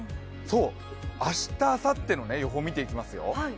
明日、あさっての予報を見ていきますよ。